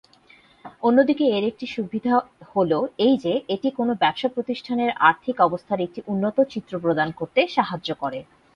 অন্যদিকে এর একটি সুবিধা হল এই যে এটি কোনও ব্যবসা প্রতিষ্ঠানের আর্থিক অবস্থার একটি উন্নত চিত্র প্রদান করতে সাহায্য করে।